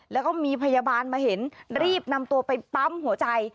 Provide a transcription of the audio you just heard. แล้วก็มีพยาบาลมาเห็นรีบนำตัวไปปั๊มหัวใจ